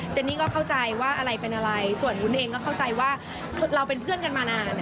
นี่ก็เข้าใจว่าอะไรเป็นอะไรส่วนวุ้นเองก็เข้าใจว่าเราเป็นเพื่อนกันมานาน